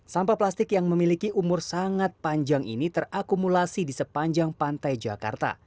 sampah plastik yang memiliki umur sangat panjang ini terakumulasi di sepanjang pantai jakarta